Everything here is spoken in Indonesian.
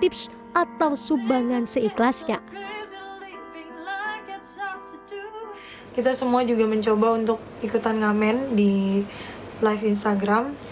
tips atau sumbangan seikhlasnya kita semua juga mencoba untuk ikutan ngamen di live instagram